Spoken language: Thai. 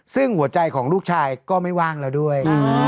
ซึ่งหัวใจของลูกชายก็ไม่ว่างแล้วด้วย